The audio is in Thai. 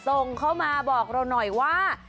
ส่งเข้ามาบอกเราหน่อยว่า